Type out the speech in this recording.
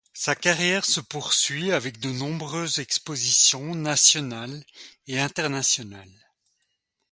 Sa carrière se poursuit avec de nombreuses expositions nationales et internationales.